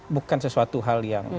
bukan sesuatu hal yang